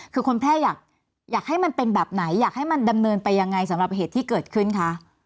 คือคนแพร่อยากให้มันเป็นแบบไหนอยากให้มันดำเนินไปยังไงสำหรับเหตุที่เกิดขึ้นคะ